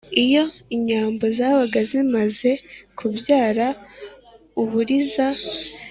iyo inyambo zabaga zimaze kubyara uburiza,